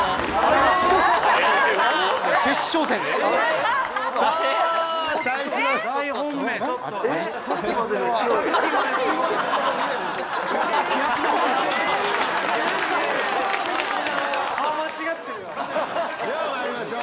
ではまいりましょう。